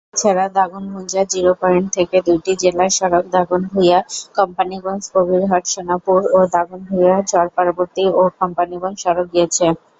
এছাড়া Daganbhuiyan zero point থেকে দুইটি জিলা সড়ক দাগনভূঞা-কোম্পানিগঞ্জ-কবিরহাট-সোনাপুর ও দাগনভূঞা-চরপার্বতী-কোম্পানিগঞ্জ সড়ক গিয়েছে।